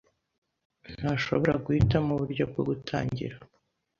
ntashobora guhitamo uburyo bwo gutangira.